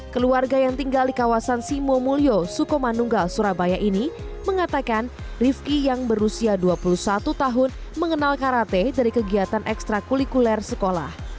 keluarga yang tinggal di kawasan simomulyo sukomanunggal surabaya ini mengatakan rifki yang berusia dua puluh satu tahun mengenal karate dari kegiatan ekstra kulikuler sekolah